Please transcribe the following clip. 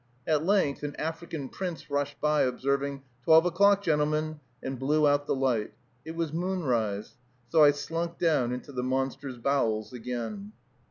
At length an African prince rushed by, observing, "Twelve o'clock, gentlemen!" and blew out the light. It was moonrise. So I slunk down into the monster's bowels again.